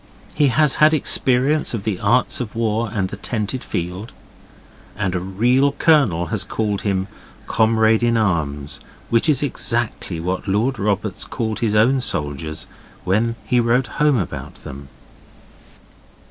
He has had experience of the arts of war and the tented field. And a real colonel has called him 'Comrade in Arms', which is exactly what Lord Roberts called his own soldiers when he wrote home about them.